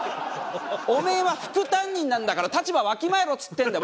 おめえは副担任なんだから立場わきまえろっつってんだよ。